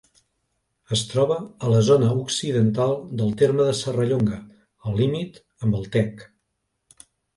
Es troba a la zona occidental del terme de Serrallonga, al límit amb el Tec.